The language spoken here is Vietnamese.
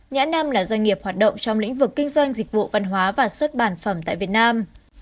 nhãn năm là doanh nghiệp hoạt động trong lĩnh vực kinh doanh dịch vụ văn hóa và xuất bản phẩm tại việt nam